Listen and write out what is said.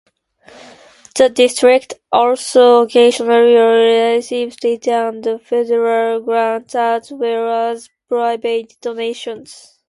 The District also occasionally receives state and federal grants, as well as private donations.